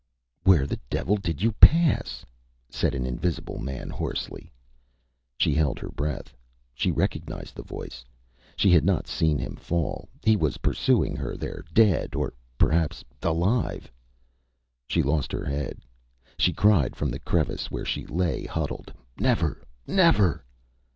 ÂWhere the devil did you pass?Â said an invisible man, hoarsely. She held her breath. She recognized the voice. She had not seen him fall. Was he pursuing her there dead, or perhaps ... alive? She lost her head. She cried from the crevice where she lay huddled, ÂNever, never!